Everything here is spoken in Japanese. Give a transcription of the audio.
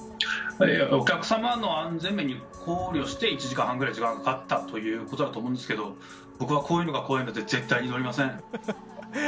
お客さまの安全面に考慮して１時間半ぐらい時間がかかったということだと思うんですが僕はこういうのが怖いので絶対に乗りません。